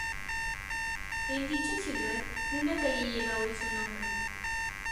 En dicha ciudad, una calle lleva hoy su nombre.